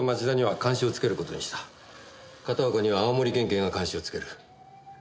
片岡には青森県警が監視をつける。